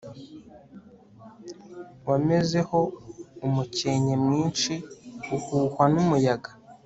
wameze ho umukenke mwinshi uhuhwa n'umuyaga